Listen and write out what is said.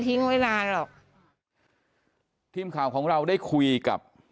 ทีมข่าวของเราได้คุยกับ